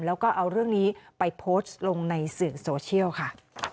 แล้วก็เอาเรื่องนี้ไปโพสต์ลงในสื่อโซเชียลค่ะ